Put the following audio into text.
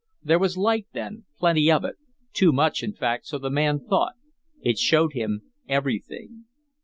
There was light, then, plenty of it too much in fact, so the man thought. It showed him everything.